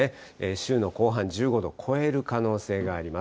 週の後半、１５度超える可能性があります。